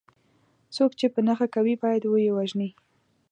څوک چې په نښه کوي باید وه یې وژني.